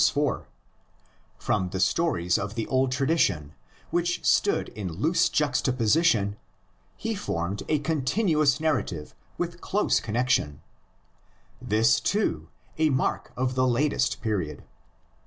237, 247, 350 of the Commentary); from the stories of the old tradition, which stood in loose juxtaposition, he formed a continuous nar rative with close connexion, — this, too, a mark of the latest period.